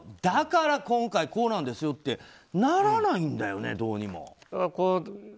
だから、今回こうなんですよってならないんだよね、どうにも。